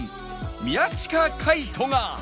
宮近海斗が